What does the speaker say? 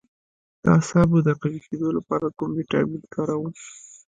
د اعصابو د قوي کیدو لپاره کوم ویټامین وکاروم؟